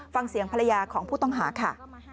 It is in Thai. ฟังเสียงภรรยาของผู้ต้องหาค่ะ